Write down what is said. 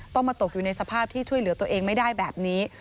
มาตกอยู่ในสภาพที่ช่วยเหลือตัวเองไม่ได้แบบนี้